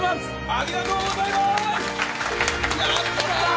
ありがとうございます！